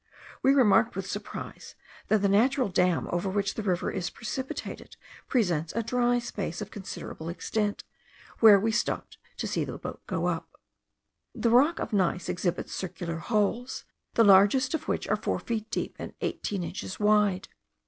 We remarked with surprise, that the natural damn over which the river is precipitated, presents a dry space of considerable extent; where we stopped to see the boat go up. The rock of gneiss exhibits circular holes, the largest of which are four feet deep, and eighteen inches wide.